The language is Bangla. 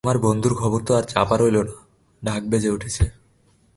তোমার বন্ধুর খবর তো আর চাপা রইল না–ঢাক বেজে উঠেছে।